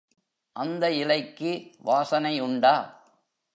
அந்த இலைக்கு வாசனை உண்டா?